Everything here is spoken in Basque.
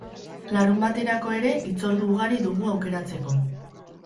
Larunbaterako ere hitzordu ugari dugu aukeratzeko.